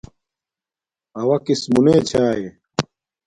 اوݳ کِس مُنݺ چݳئݺ؟